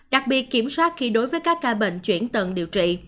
đặc biệt kiểm soát khi đối với các ca bệnh chuyển tận điều trị